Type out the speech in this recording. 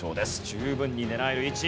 十分に狙える位置。